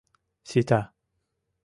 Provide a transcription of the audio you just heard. — Сита.